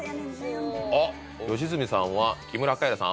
おっ良純さんは木村カエラさん